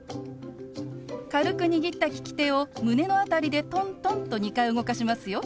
軽く握った利き手を胸の辺りでトントンと２回動かしますよ。